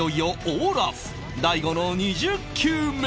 大悟の２０球目